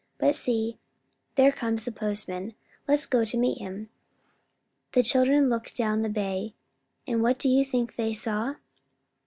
But see, there comes the postman. Let's go to meet him." The children looked down the bay, and what do you think they saw?